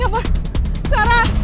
ya ampun clara